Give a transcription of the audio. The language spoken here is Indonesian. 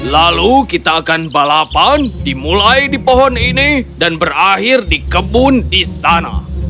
lalu kita akan balapan dimulai di pohon ini dan berakhir di kebun di sana